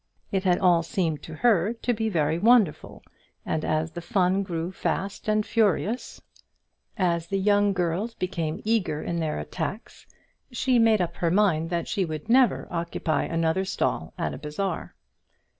It had all seemed to her to be very wonderful, and as the fun grew fast and furious, as the young girls became eager in their attacks, she made up her mind that she would never occupy another stall at a bazaar.